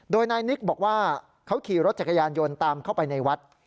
โดยนายนิกรับสารภาพบอกว่าเค้าขี่รถจักรยานโยนตามเข้าไปในวัด